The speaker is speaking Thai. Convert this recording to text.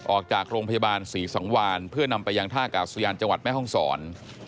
ออกจากโรงพยาบาลศรีสังวานเพื่อนำไปยังท่ากาศยานจังหวัดแม่ห้องศร